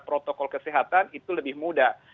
protokol kesehatan itu lebih mudah